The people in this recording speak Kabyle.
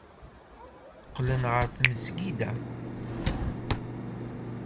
Qqlen ɣer tmesgida.